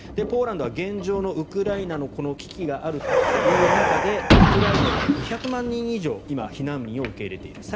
ポーランドは現状のウクライナの危機があるという中でウクライナから２００万人以上今、避難民を受け入れている。